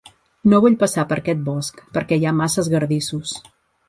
No vull passar per aquell bosc, perquè hi ha massa esgardissos.